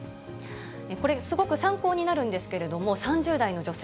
これ、すごく参考になるんですけれども、３０代の女性。